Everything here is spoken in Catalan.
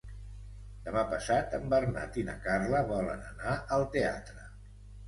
Demà passat en Bernat i na Carla volen anar al teatre.